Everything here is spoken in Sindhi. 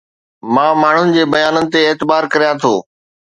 مان ماڻهن جي بيانن تي اعتبار ڪريان ٿو